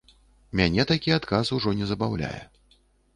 Мяне такі адказ ужо не забаўляе.